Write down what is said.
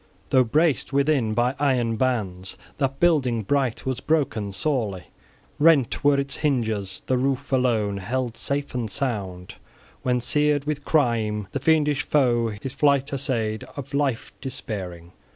Though braced within by iron bands, that building bright was broken sorely; {15a} rent were its hinges; the roof alone held safe and sound, when, seared with crime, the fiendish foe his flight essayed, of life despairing.